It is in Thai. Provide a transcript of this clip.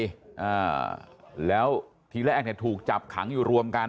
อ่าแล้วทีแรกเนี่ยถูกจับขังอยู่รวมกัน